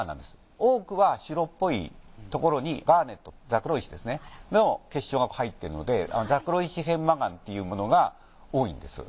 多くは白っぽいところにガーネットざくろ石ですねの結晶が入ってるのでざくろ石片麻岩っていうものが多いんです。